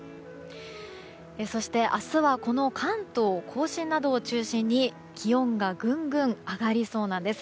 そして、明日はこの関東・甲信などを中心に気温がぐんぐん上がりそうなんです。